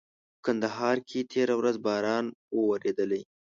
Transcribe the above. کندهار کي تيره ورځ باران ووريدلي.